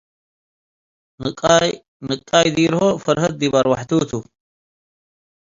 ንቃይ ዲርሆ ፈርሀት ዲብ አርወሓቱ ቱ።